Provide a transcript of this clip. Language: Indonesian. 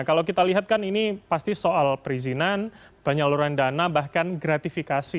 kalau kita lihat kan ini pasti soal perizinan penyaluran dana bahkan gratifikasi